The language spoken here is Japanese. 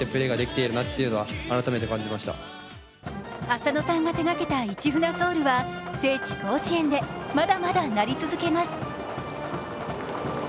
浅野さんが手がけた「市船ｓｏｕｌ」は聖地甲子園で、まだまだ鳴り続けます。